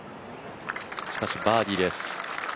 しかしバーディーです。